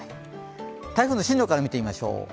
台風の進路から見てみましょう。